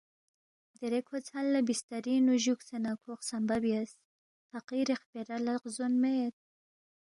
دیرے کھو ژھن لہ بِسترِنگ نُو جُوکسے نہ کھو خسمبا بیاس، فقیری خپیرا لہ غزون مید